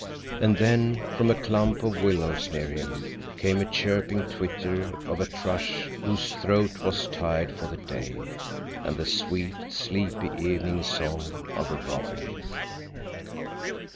And then, from a clump of willows near him, came the chirping twitter of a thrush whose throat was tired for the day, and the sweet, sleepy evening song of a robin.